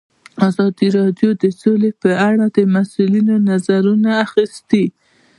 ازادي راډیو د سوله په اړه د مسؤلینو نظرونه اخیستي.